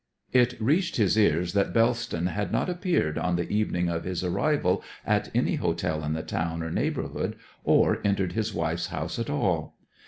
It reached his ears that Bellston had not appeared on the evening of his arrival at any hotel in the town or neighbourhood, or entered his wife's house at all.